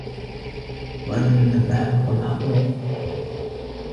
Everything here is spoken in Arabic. وَأَنَّ الْأَحْمَقَ مَحْظُوظٌ